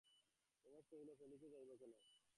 উমেশ কহিল, ফেলিতে যাইব কেন?